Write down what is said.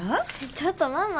ちょっとママ。